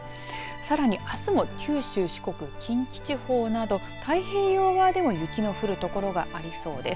さらに、あすも九州、四国、近畿地方など太平洋側でも雪の降る所がありそうです。